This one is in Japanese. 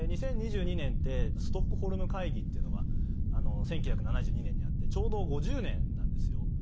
２０２２年ってストックホルム会議っていうのが１９７２年にあってちょうど５０年なんですよ。